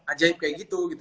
ajaib kayak gitu